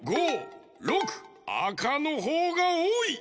あかのほうがおおい。